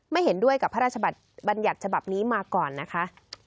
เห็นด้วยกับพระราชบัญญัติฉบับนี้มาก่อนนะคะ